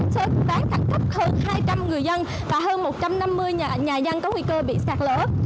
sơ ván thẳng cấp hơn hai trăm linh người dân và hơn một trăm năm mươi nhà dân có nguy cơ bị sạch lỡ